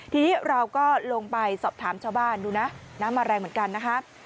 ทีนี้เราก็ลงไปสอบถามชาวบ้านดูนะน้ำมาแรงเหมือนกันนะครับ